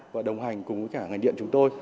và đồng hành cùng với cả ngành điện chúng tôi